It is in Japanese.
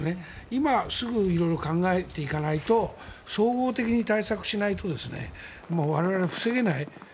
今すぐ色々考えていかないと総合的に対策しないともう我々は防げない。